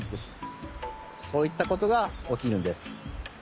そういったことがおきるんです。